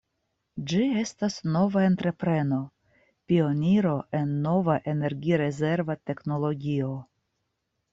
Ĝi estas nova entrepreno, pioniro en nova energi-rezerva teknologio.